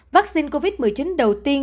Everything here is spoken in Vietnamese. vaccine covid một mươi chín đầu tiên